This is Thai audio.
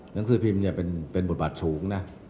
หนังสือพิมพ์เนี่ยเป็นบทบัตรสูงนะ